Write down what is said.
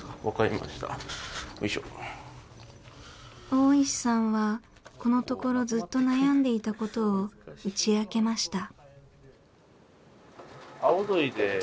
大石さんはこのところずっと悩んでいたことを打ち明けました。